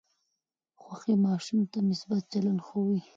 خوښي ماشوم ته مثبت چلند ښووي.